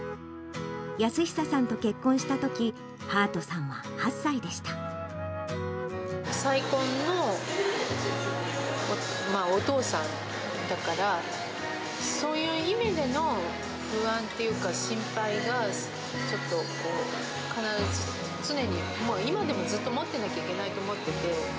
泰久さんと結婚したとき、はあと再婚のお父さんだから、そういう意味での不安っていうか、心配がちょっと、必ず、常に、今でもずっと持ってなきゃいけないと思ってて。